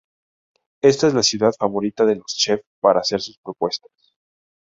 Esta es la ciudad favorita de los chef para hacer sus propuestas.